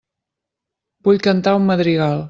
Vull cantar un madrigal.